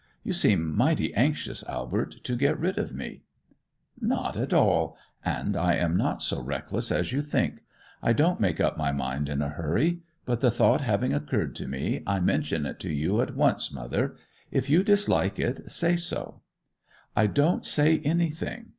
You seem mighty anxious, Albert, to get rid of me!' 'Not at all. And I am not so reckless as you think. I don't make up my mind in a hurry. But the thought having occurred to me, I mention it to you at once, mother. If you dislike it, say so.' 'I don't say anything.